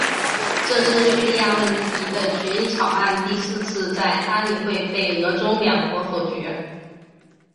这是叙利亚问题的决议草案第四次在安理会被俄中两国否决。